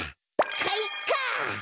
かいか！